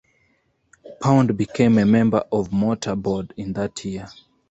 Pound became a member of Mortar Board in that year.